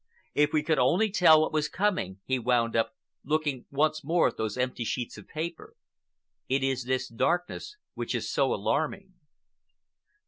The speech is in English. If we could only tell what was coming!" he wound up, looking once more at those empty sheets of paper. "It is this darkness which is so alarming!"